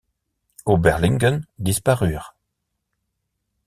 Oberligen disparurent.